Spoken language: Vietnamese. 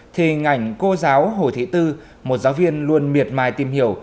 thì ngành cô giáo hồ thị tư một giáo viên luôn miệt mài tìm hiểu